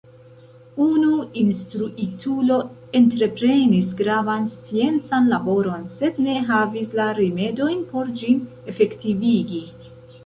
Unu instruitulo entreprenis gravan sciencan laboron, sed ne havis la rimedojn por ĝin efektivigi.